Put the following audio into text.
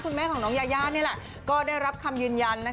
คุณแม่ของน้องยายานี่แหละก็ได้รับคำยืนยัน